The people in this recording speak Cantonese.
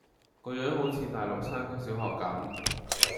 但個樣好似大陸山區小學咁⠀